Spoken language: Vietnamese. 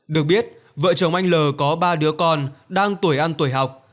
được biết vợ chồng anh l có ba đứa con đang tuổi ăn tuổi học